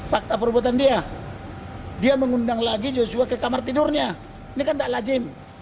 fakta perbuatan dia dia mengundang lagi joshua ke kamar tidurnya ini kan tidak lazim